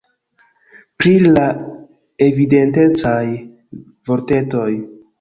Pri la "Evidentecaj" vortetoj